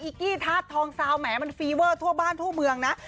กี้ธาตุทองซาวแหมมันฟีเวอร์ทั่วบ้านทั่วเมืองนะ